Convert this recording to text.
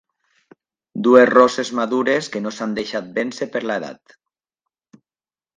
Dues rosses madures que no s'han deixat vèncer per l'edat.